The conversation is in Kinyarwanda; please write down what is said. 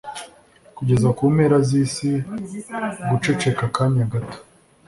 kugeza ku mpera z’isi guceceka akanya gato